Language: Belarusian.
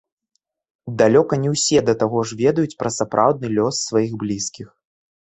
Далёка не ўсе да таго ж ведаюць пра сапраўдны лёс сваіх блізкіх.